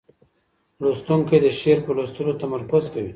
لوستونکی د شعر په لوستلو تمرکز کوي.